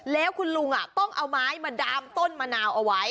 แล้วคุณลุงต้องเอาไม้มาดามต้นมะนาวเอาไว้